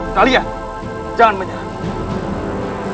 kalian jangan menyerah